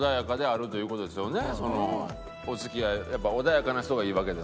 お付き合いやっぱ穏やかな人がいいわけですもんね。